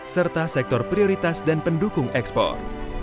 serta sektor prioritas dan pendukung ekspor